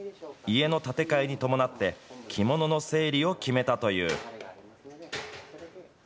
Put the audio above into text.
家の建て替えに伴って、着物の整理を決めたという。